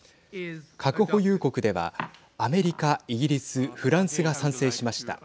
核保有国ではアメリカ、イギリスフランスが賛成しました。